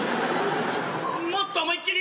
もっと思いっ切り。